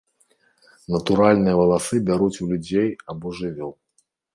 Натуральныя валасы бяруць у людзей або жывёл.